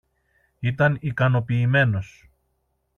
ήταν ικανοποιημένος